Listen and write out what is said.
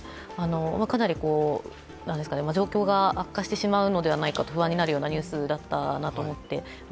かなり状況が悪化してしまうのではないかと不安になるようなニュースだと思います。